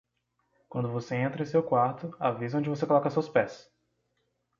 Quando você entra em seu quarto, avise onde você coloca seus pés!